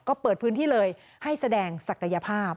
ก็เปิดพื้นที่เลยให้แสดงศักยภาพ